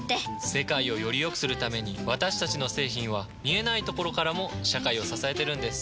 世界をよりよくするために私たちの製品は見えないところからも社会を支えてるんです。